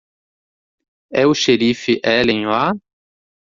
É o xerife Helen lá?